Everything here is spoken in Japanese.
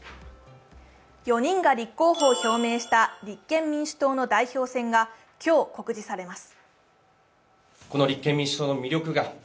４人が立候補を表明した立憲民主党の代表選が今日、告示されます。